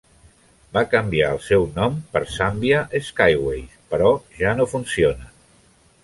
Va canviar el seu nom per Zambia Skyways, però ja no funciona.